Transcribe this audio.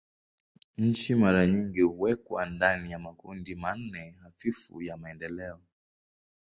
Nchi mara nyingi huwekwa ndani ya makundi manne hafifu ya maendeleo.